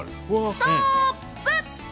ストップ。